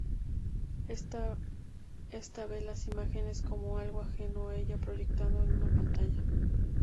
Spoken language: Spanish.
Ésta ve las imágenes como algo ajeno a ella, proyectado en una pantalla.